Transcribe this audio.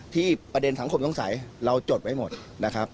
ที่ประเด็นสังคมย้องใสเราจดไว้หมดนะครับ